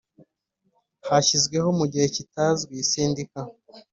Hashyizweho mu gihe kitazwi Sendika